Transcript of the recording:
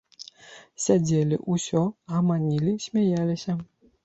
Сядзелі ўсё, гаманілі, смяяліся.